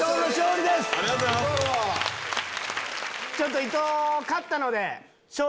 ちょっと伊東勝ったので。